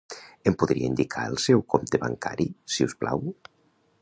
Em podria indicar el seu compte bancari, si us plau?